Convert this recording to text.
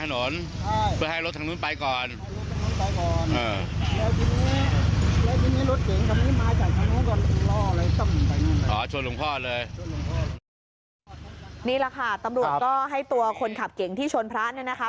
นี่แหละค่ะตำรวจก็ให้ตัวคนขับเก่งที่ชนพระเนี่ยนะคะ